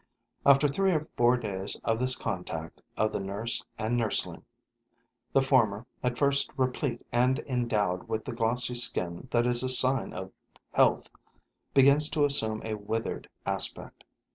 After three or four days of this contact of the nurse and nursling, the former, at first replete and endowed with the glossy skin that is a sign of health, begins to assume a withered aspect.